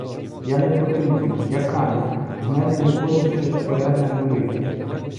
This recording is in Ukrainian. Я непотрібна, я камінь, з мене ніколи щось порядне не вийде!